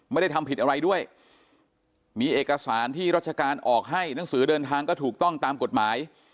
ไม่ได้ทำผิดอะไรด้วยมีเอกสารที่ราชการออกให้หนังสือเดินทางก็ถูกต้องตามกฎหมาย